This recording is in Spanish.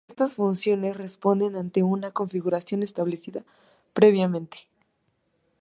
Estas funciones responden ante una configuración establecida previamente.